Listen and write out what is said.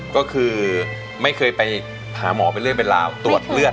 ก็คือไม่เคยไปหาหมอไปเรื่องเวลาตรวจเลือด